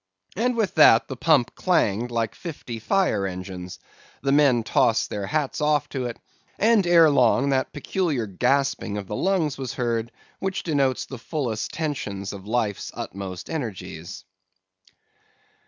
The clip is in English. And with that the pump clanged like fifty fire engines; the men tossed their hats off to it, and ere long that peculiar gasping of the lungs was heard which denotes the fullest tension of life's utmost energies.